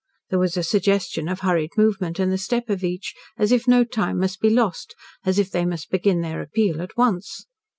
There was a suggestion of hurried movement in the step of each as if no time must be lost as if they must begin their appeal at once.